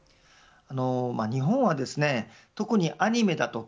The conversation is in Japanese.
日本は特にアニメだとか